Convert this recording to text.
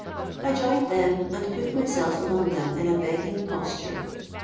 I joined them, and put myself among them in a begging posture.